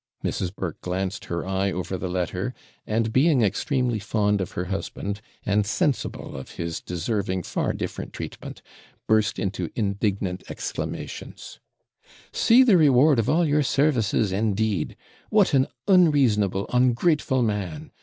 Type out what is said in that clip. Mrs. Burke glanced her eye over the letter, and, being extremely fond of her husband, and sensible of his deserving far different treatment, burst into indignant exclamations 'See the reward of all your services, indeed! What an unreasonable, ungrateful man!